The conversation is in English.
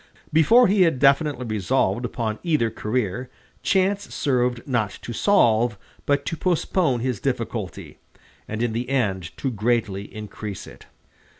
Before he had definitely resolved upon either career, chance served not to solve, but to postpone his difficulty, and in the end to greatly increase it.